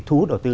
thú hút đầu tư